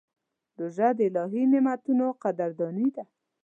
روژه د الهي نعمتونو قدرداني ده.